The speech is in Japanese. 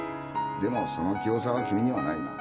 でもその器用さは君にはないな。